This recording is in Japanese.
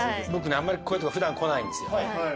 あんまりこういうとこ普段来ないんですよ。